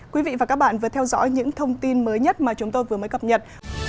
quý vị và các bạn vừa theo dõi những thông tin mới nhất mà chúng tôi vừa mới cập nhật